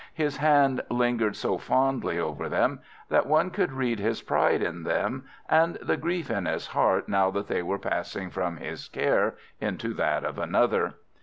His hand lingered so fondly over them, that one could read his pride in them and the grief in his heart now that they were passing from his care into that of another.